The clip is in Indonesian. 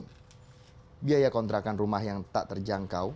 karena biaya kontrakan rumah yang tak terjangkau